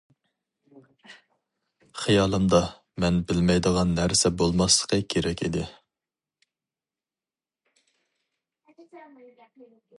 خىيالىمدا، مەن بىلمەيدىغان نەرسە بولماسلىقى كېرەك ئىدى.